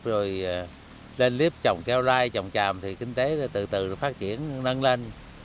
rồi lên lếp trồng keo rai trồng tràm thì kinh tế từ từ phát triển nâng lên